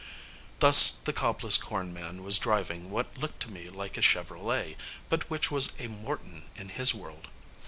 Thus, the cobless corn man was driving what looked to me like a Chevrolet, but which was a Morton in his world.